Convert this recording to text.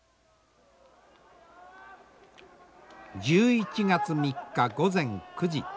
１１月３日午前９時。